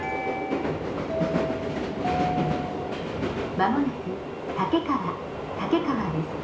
「間もなく武川武川です。